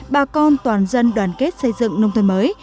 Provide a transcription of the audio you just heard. bà con toàn dân đoàn kết xây dựng nông thôn mới